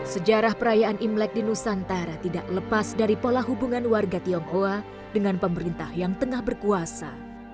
sejarah perayaan imlek di nusantara tidak lepas dari pola hubungan warga tionghoa dengan pemerintah yang tengah berkuasa